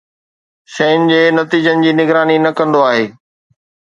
شين جي نتيجن جي نگراني نه ڪندو آهي